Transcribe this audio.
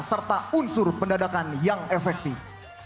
serta unsur pendadakan yang efektif